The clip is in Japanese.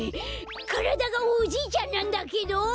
からだがおじいちゃんなんだけど？